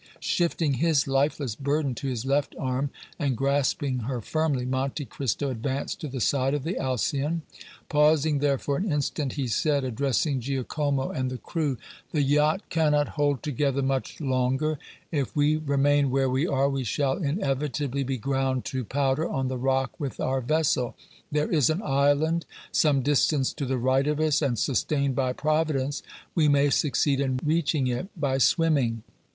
Shifting his lifeless burden to his left arm and grasping her firmly, Monte Cristo advanced to the side of the Alcyon. Pausing there for an instant, he said, addressing Giacomo and the crew: "The yacht cannot hold together much longer; if we remain where we are we shall inevitably be ground to powder on the rock with our vessel. There is an island some distance to the right of us, and, sustained by Providence, we may succeed in reaching it by swimming.